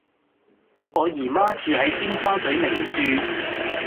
我姨媽住喺尖沙嘴名鑄